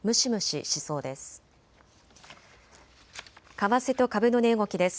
為替と株の値動きです。